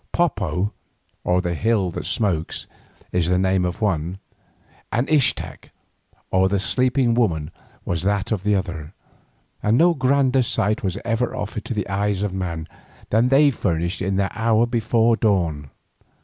Popo, or the Hill that Smokes, is the name of the one, and Ixtac, or the Sleeping Woman, that of the other, and no grander sight was ever offered to the eyes of man than they furnished in that hour before the dawn.